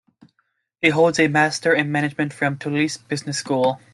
He holds a Master in management from Toulouse Business School.